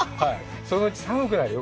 そのうち寒くなるよ